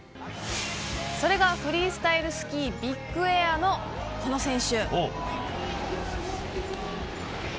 それが、フリースタイルスキービッグエアのこの選手。